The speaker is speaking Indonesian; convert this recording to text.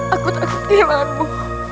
aku takut kehilangmu